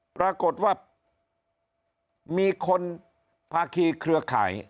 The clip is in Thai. ปรากฏว่ามีคนภาคีเครือข่าย